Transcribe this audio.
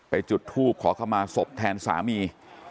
จุดทูบขอเข้ามาศพแทนสามี